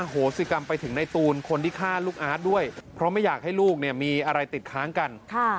โหสิกรรมไปถึงในตูนคนที่ฆ่าลูกอาร์ตด้วยเพราะไม่อยากให้ลูกเนี่ยมีอะไรติดค้างกัน